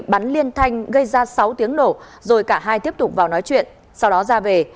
bắn liên thanh gây ra sáu tiếng nổ rồi cả hai tiếp tục vào nói chuyện sau đó ra về